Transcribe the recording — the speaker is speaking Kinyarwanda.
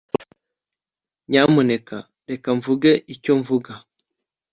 nyamuneka reka mvuge icyo mvuga